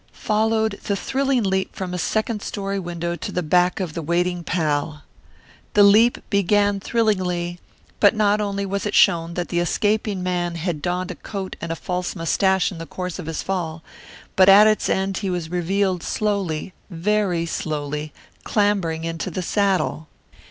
Followed the thrilling leap from a second story window to the back of the waiting pal. The leap began thrillingly, but not only was it shown that the escaping man had donned a coat and a false mustache in the course of his fall, but at its end he was revealed slowly, very slowly, clambering into the saddle!